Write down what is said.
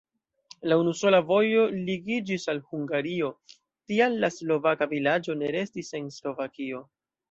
La unusola vojo ligiĝis al Hungario, tial la slovaka vilaĝo ne restis en Slovakio.